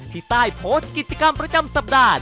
ที่ใต้โพสต์กิจกรรมประจำสัปดาห์